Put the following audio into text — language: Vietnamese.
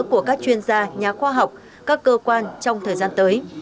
của các chuyên gia nhà khoa học các cơ quan trong thời gian tới